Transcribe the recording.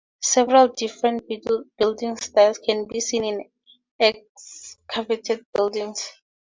Several different building styles can be seen in the excavated buildings.